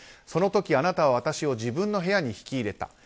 その時、あなたは私を自分の部屋に引き入れた。